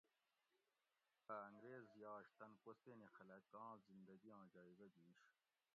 اۤ انگریز یاش تن کوہستینی خلکاں زندگیاں جایٔزہ گِینش